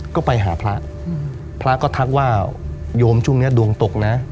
ก็ไปหาพระพระก็ทักว่าโยมช่วงนี้ดวงตกนะ